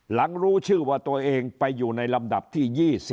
หลังรู้ชื่อตัวเองว่าตัวเองไปอยู่ในลำดับที่๒๐